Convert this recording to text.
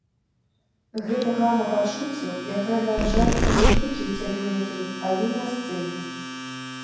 Гэта гама пачуццяў, якая нараджаецца не толькі ў цябе ўнутры, але і на сцэне.